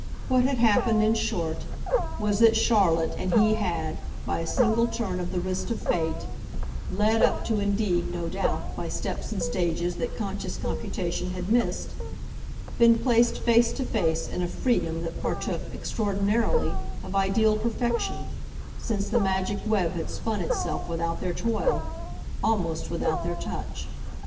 What had happened, in short, was that Charlotte and he had, by a single turn of the wrist of fate "led up" to indeed, no doubt, by steps and stages that conscious computation had missed been placed face to face in a freedom that partook, extraordinarily, of ideal perfection, since the magic web had spun itself without their toil, almost without their touch.